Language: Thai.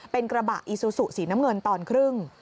เป็นกระบะอีซูซูสีน้ำเงินตอนครึ่ง